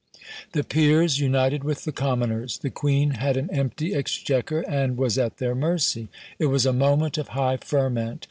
The peers united with the commoners. The queen had an empty exchequer, and was at their mercy. It was a moment of high ferment.